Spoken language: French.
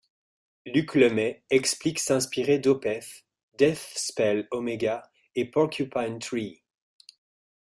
Luc Lemay explique s'inspirer d'Opeth, Deathspell Omega, et Porcupine Tree.